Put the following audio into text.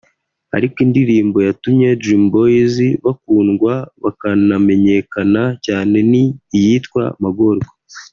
ariko indirimbo yatumye Deam Boys bakundwa bakanamenyekana cyane ni iyitwa “Magorwa”